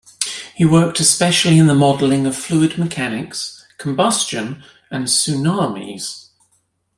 He worked especially in the modeling of fluid mechanics, combustion, and tsunamis.